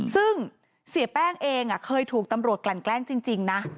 ซึ่งเสียแป้งเองเคยถูกตำรวจกลั่นแกล้งจริงนะ